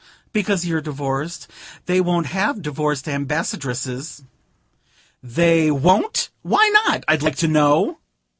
"Because you're divorced. They won't have divorced Ambassadresses." "They won't? Why not, I'd like to know?"